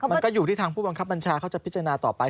มันก็อยู่ที่ทางผู้บังคับบัญชาเขาจะพิจารณาต่อไป